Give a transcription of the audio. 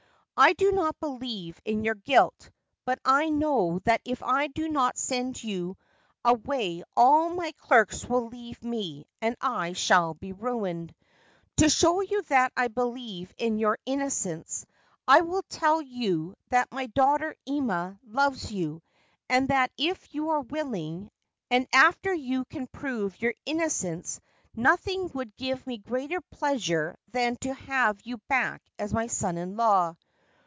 I do not believe in your guilt, but I know that if I do not send you away all my clerks will leave me, and I shall be ruined. To show you that I believe in your innocence, I will tell you that my daughter Ima loves you, and that if you are willing, and after you can prove your innocence, nothing would give me greater pleasure than to have you back as my son in law.